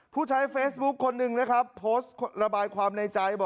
ผู้ใช้เฟซบุ๊คคนหนึ่งนะครับโพสต์ระบายความในใจบอก